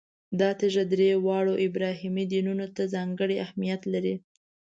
دا تیږه درې واړو ابراهیمي دینونو ته ځانګړی اهمیت لري.